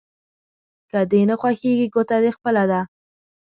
که دې نه خوښېږي ګوته دې خپله ده.